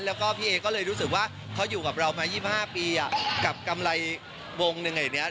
แล้วก็พี่เอก็เลยรู้สึกว่าเขาอยู่กับเรามายี่สิบห้าปีอะกับกำไรวงหนึ่งอย่างเงี้ย